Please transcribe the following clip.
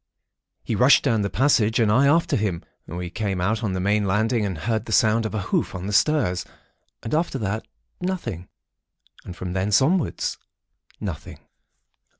"He rushed down the passage, and I after him. We came out on the main landing and heard the sound of a hoof on the stairs, and after that, nothing. And from thence, onwards, nothing.